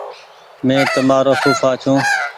مينٚ تمآرو ڦوڦآ ڇوٚنٚ